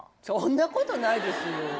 そんなことないですよ！